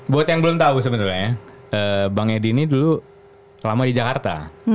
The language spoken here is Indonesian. buat yang belum tahu sebenarnya bang edi ini dulu lama di jakarta